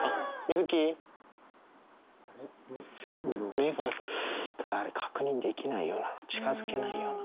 目が、ただあれ、確認できないよな、近づけないよな。